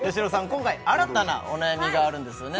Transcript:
今回新たなお悩みがあるんですよね？